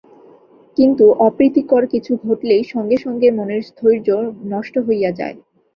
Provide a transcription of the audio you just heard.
কিন্তু অপ্রীতিকর কিছু ঘটিলেই সঙ্গে সঙ্গে মনের স্থৈর্য নষ্ট হইয়া যায়।